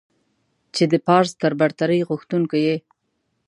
چې د پارس تر برتري غوښتونکو يې.